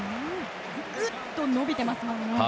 ぐっと伸びていますね。